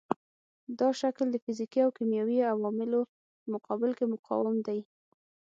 دا شکل د فزیکي او کیمیاوي عواملو په مقابل کې مقاوم دی.